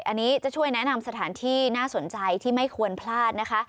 อันนี้จะช่วยแนะนำสถานที่น่าสนใจที่ไม่ควรพลาดนะคะ